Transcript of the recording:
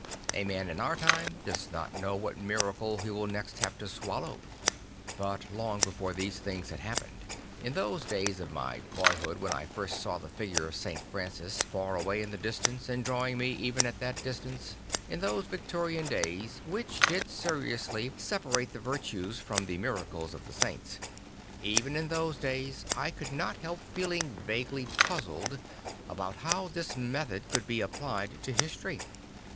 A man in our time does not know \vhat miracle he will next have to swallow. But long before these things had happened, in those days of my boyhood when I first saw the figure of St. Francis far a\vay in the distance and drawing me even at that distance, in those Victorian days which did seriously separate the virtues from the miracles of the saints even in those days I could not help feeling vaguely puzzled about how this method could be applied to history.